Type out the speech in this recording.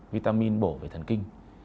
vitamin bổ về thần kinh